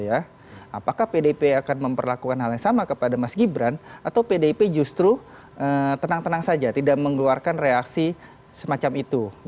apakah pdip akan memperlakukan hal yang sama kepada mas gibran atau pdip justru tenang tenang saja tidak mengeluarkan reaksi semacam itu